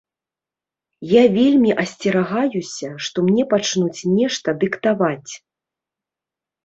Я вельмі асцерагаюся, што мне пачнуць нешта дыктаваць.